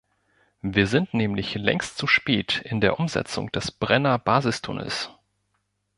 Wir sind nämlich längst zu spät in der Umsetzung des Brenner-Basistunnels.